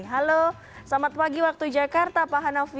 halo selamat pagi waktu jakarta pak hanafi